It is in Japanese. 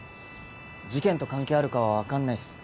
事件と関係あるかは分かんないっす。